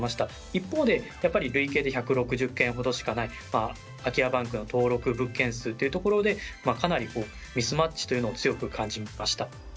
一方でやっぱり累計で１６０軒ほどしかない空き家バンクの登録物件数というところでかなりミスマッチというのを強く感じました。